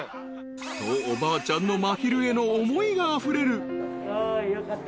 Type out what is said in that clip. ［とおばあちゃんのまひるへの思いがあふれる］よかった。